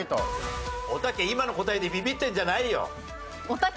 「おたけ今の答えでビビってんじゃないよ」。